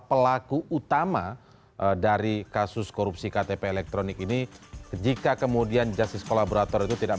pelaku utama dari kasus korupsi ktp elektronik ini jika kemudian justice kolaborator itu tidak